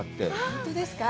本当ですか？